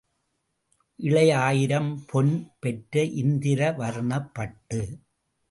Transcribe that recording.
இழை ஆயிரம் பொன் பெற்ற இந்திர வர்ணப்பட்டு.